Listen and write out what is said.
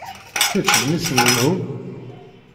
Kečč d mmi-s n menhu?